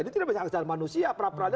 ini tidak bisa ajal manusia pra pra aja